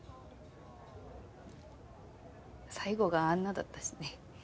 最後があんなだったしね。